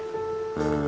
うん。